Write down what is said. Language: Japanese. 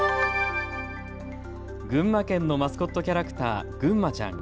群馬県のマスコットキャラクター、ぐんまちゃん。